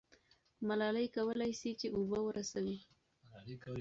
ملالۍ کولای سي چې اوبه ورسوي.